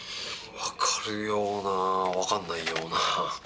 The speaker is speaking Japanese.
分かるような分かんないような。